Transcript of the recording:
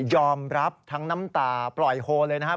ยอมรับทั้งน้ำตาปล่อยโฮเลยนะครับ